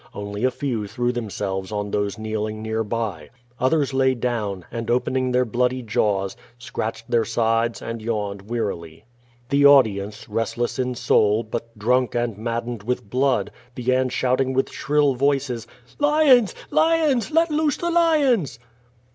Only a few threw themselves on those kneeling near b)'. Others lay down, and, opening their bloody jaws, scratched tlieir sides and yawned wearily. The audience, restless in soul, but drunk and maddened with blood, began ehouting with shrill voices: "Lions! Lions! Let loose the lions!"